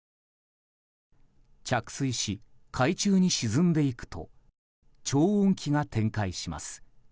着水し、海中に沈んでいくと聴音機が展開します。